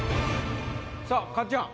さぁかっちゃん